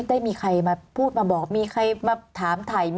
ได้มีใครมาพูดมาบอกมีใครมาถามถ่าย